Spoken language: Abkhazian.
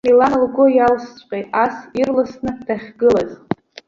Милана лгәы иалсҵәҟьеит ас ирласны дахьгылаз.